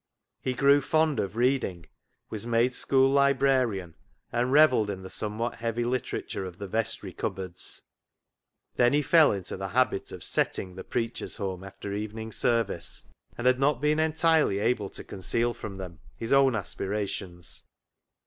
He grew fond of reading, was made school librarian, and revelled in the somewhat heavy literature of the vestry cup boards. Then he fell into the habit of " setting" the preachers home after evening service, and had not been entirely able to conceal from them his own aspirations.